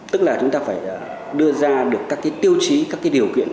tức là chúng ta phải đưa ra được các tiêu chí các cái điều kiện